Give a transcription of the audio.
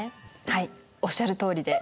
はいおっしゃるとおりで。